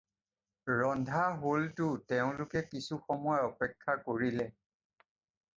ৰন্ধা হ'লতো তেঁওলোকে কিছু সময় অপেক্ষা কৰিলে।